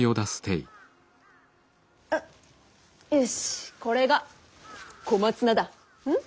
あよしこれが小松菜だ。